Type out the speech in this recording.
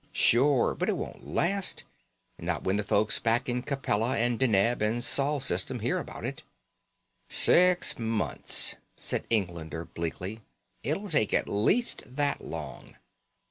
"Sure, but it won't last. Not when the folks back in Capella and Deneb and Sol System hear about it." "Six months," said Englander bleakly. "It'll take at least that long."